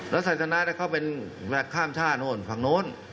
แลัสนาจะเข้าเป็นแบกข้ามชาติอ่อนภางโน้น